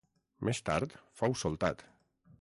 Més tard fou soltat.